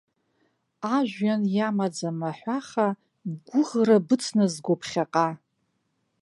Ажәҩан иамаӡам аҳәаха, бгәыӷра быцназго ԥхьаҟа.